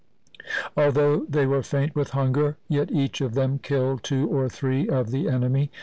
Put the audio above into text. Although they were faint with hunger, yet each of them killed two or three of the enemy.